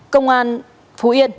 công an phú yên